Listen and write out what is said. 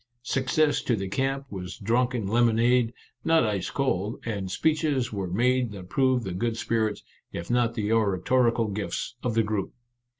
Success to the camp was drunk in lemonade — not ice cold — and speeches were made that proved the good spirits, if not the oratorical gifts, of the group.